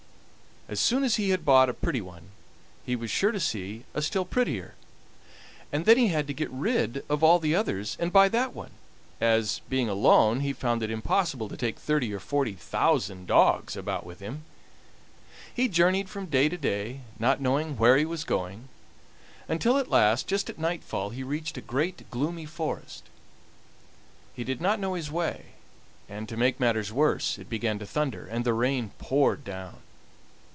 As soon as he had bought a pretty one he was sure to see a still prettier, and then he had to get rid of all the others and buy that one, as, being alone, he found it impossible to take thirty or forty thousand dogs about with him. He journeyed from day to day, not knowing where he was going, until at last, just at nightfall, he reached a great, gloomy forest. He did not know his way, and, to make matters worse, it began to thunder, and the rain poured down.